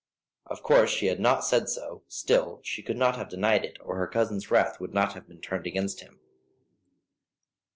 Of course she had not said so; still she could not have denied it, or her cousin's wrath would not have been turned against him.